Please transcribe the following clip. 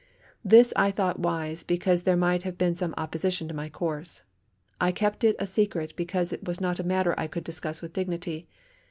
This I thought wise because there might have been some opposition to my course. I kept it a secret because it was not a matter I could discuss with any dignity.